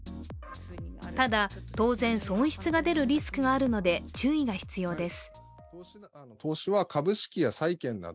ただ当然、損失が出るリスクがあるので注意が必要です。